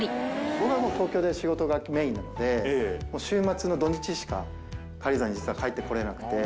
僕は東京で仕事がメインなので、週末の土日しか、実は軽井沢に、実は帰ってこれなくて。